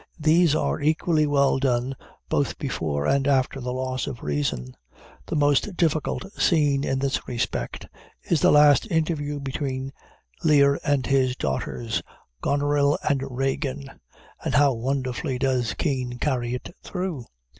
These are equally well done both before and after the loss of reason. The most difficult scene, in this respect, is the last interview between Lear and his daughters, Goneril and Regan, (and how wonderfully does Kean carry it through!)